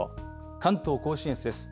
関東甲信越です。